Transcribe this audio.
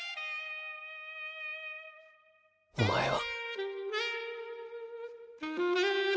お前は。